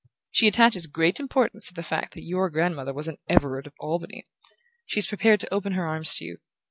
She attaches great importance to the fact that your grandmother was an Everard of Albany. She's prepared to open her arms to you.